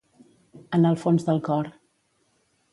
En el fons del cor.